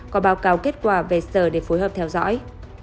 có báo cáo kết quả về sở để phối hợp theo dõi